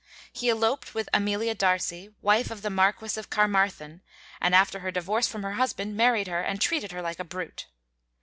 He eloped with Amelia D'Arcy, wife of the Marquis of Carmarthen, and after her divorce from her husband married her and treated her like a brute.